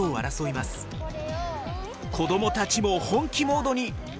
子どもたちも本気モードに。